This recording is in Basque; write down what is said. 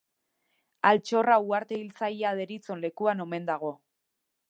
Altxorra Uharte Hiltzailea deritzon lekuan omen dago.